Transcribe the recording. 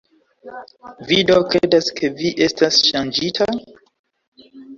"Vi do kredas ke vi estas ŝanĝita?"